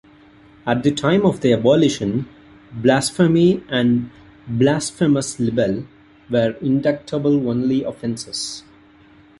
At the time of their abolition, blasphemy and blasphemous libel were indictable-only offences.